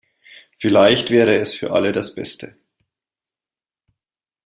Vielleicht wäre es für alle das Beste.